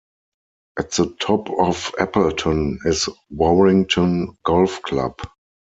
At the top of Appleton is Warrington Golf Club.